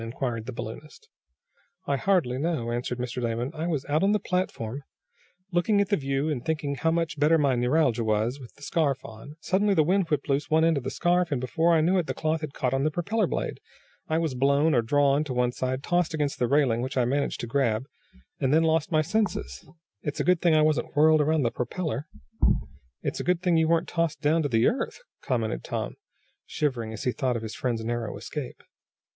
inquired the balloonist. "I hardly know," answered Mr. Damon. "I was out on the platform, looking at the view, and thinking how much better my neuralgia was, with the scarf on. Suddenly the wind whipped loose one end of the scarf, and, before I knew it the cloth had caught on the propeller blade. I was blown, or drawn to one side, tossed against the railing, which I managed to grab, and then I lost my senses. It's a good thing I wasn't whirled around the propeller." "It's a good thing you weren't tossed down to the earth," commented Tom, shivering as he thought of his friend's narrow escape.